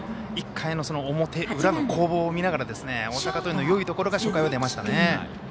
１回の表裏の攻防を見ながら大阪桐蔭のよいところが初回が出ましたね。